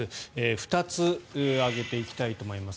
２つ、挙げていきたいと思います。